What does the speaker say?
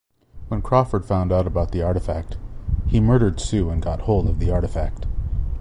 When Crawford found out about the Artifact, he murdered Sue and got hold of the Artifact.